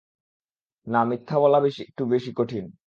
না মিথ্যা বলা একটু বেশি কঠিন।